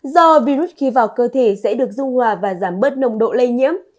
do virus khi vào cơ thể sẽ được dung hòa và giảm bớt nồng độ lây nhiễm